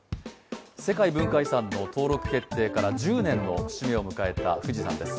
世界文化遺産登録から１０年の節目を迎えた富士山です